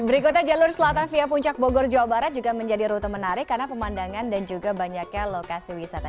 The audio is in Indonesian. berikutnya jalur selatan via puncak bogor jawa barat juga menjadi rute menarik karena pemandangan dan juga banyaknya lokasi wisata